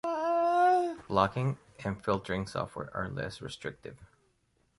Blocking and filtering software are less restrictive.